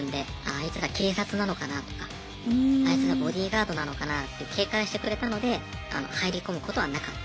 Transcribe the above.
あいつら警察なのかなとかあいつらボディーガードなのかなって警戒してくれたので入り込むことはなかった。